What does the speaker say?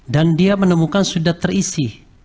dan dia menemukan sudah terisi